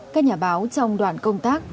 các nhà báo trong đoàn công tác